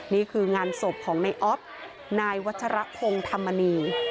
นี่คืองานศพของไน้ออฟนายวัจฉระคงธรรมนี